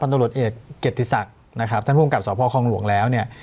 พันธุรกิจศักดิ์นะครับท่านผู้กลับสอบภาคองหลวงแล้วเนี่ย